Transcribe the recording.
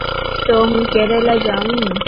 تون هون ڪيريلا جائون.